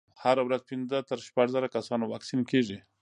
هره ورځ پنځه تر شپږ زره کسانو واکسین کېږي.